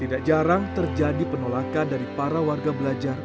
tidak jarang terjadi penolakan dari para warga belajar